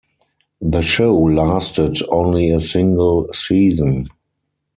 The show lasted only a single season.